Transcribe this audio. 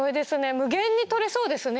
無限に撮れそうですね